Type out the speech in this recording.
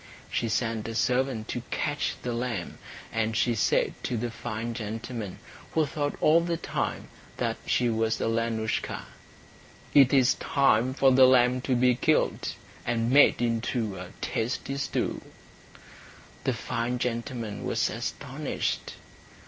She sent a servant to catch the lamb; and she said to the fine gentleman, who thought all the time that she was Alenoushka, "It is time for the lamb to be killed, and made into a tasty stew." The fine gentleman was astonished.